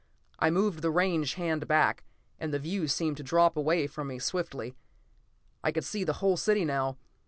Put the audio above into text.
I moved the range hand back, and the view seemed to drop away from me swiftly. I could see the whole city now.